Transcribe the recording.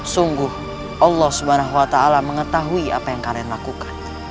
sungguh allah swt mengetahui apa yang kalian lakukan